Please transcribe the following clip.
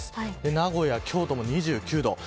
名古屋、京都も２９度。